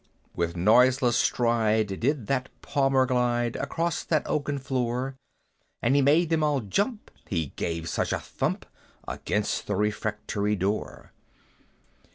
With noiseless stride did that Palmer glide Across that oaken floor; And he made them all jump, he gave such a thump Against the Refectory door!